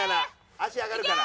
足上がるから。